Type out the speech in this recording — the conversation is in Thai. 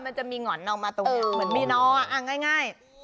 มันจะมีหง่อนออกมาตรงนี้เออเหมือนมีนออ่ะง่ายง่าย